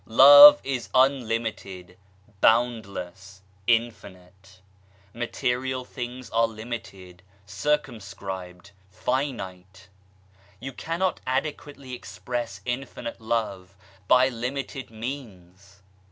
Love is unlimited, boundless, infinite f Material things are limited, circumscribed, finite. You cannot adequately express infinite Love by limited means.